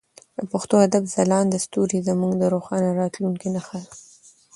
د پښتو ادب ځلانده ستوري زموږ د روښانه راتلونکي نښه ده.